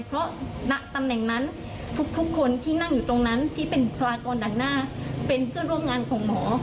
เพราะณตำแหน่งนั้นทุกคนที่นั่งอยู่ตรงนั้นที่เป็นบุคลากรด่างหน้าเป็นเพื่อนร่วมงานของหมอ